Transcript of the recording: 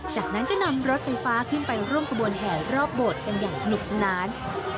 จากนั้นก็นำรถไฟฟ้าขึ้นไปร่วมขบวนแห่รอบโบสถ์กันอย่างสนุกสนาน